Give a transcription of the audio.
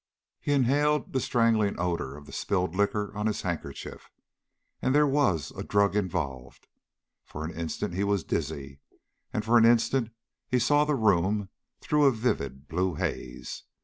He inhaled the strangling odor of the spilled liquor on his handkerchief. And there was a drug involved. For an instant he was dizzy, and for an instant he saw the room through a vivid blue haze.